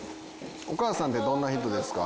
お母さんってどんな人ですか？